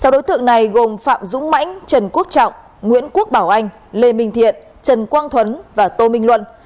sáu đối tượng này gồm phạm dũng mãnh trần quốc trọng nguyễn quốc bảo anh lê minh thiện trần quang thuấn và tô minh luân